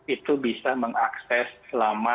itu bisa mengakses selalu